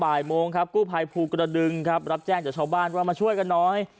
บ่ายโมงครับกู้ภัยภูกระดึงครับรับแจ้งจากชาวบ้านว่ามาช่วยกันน้อย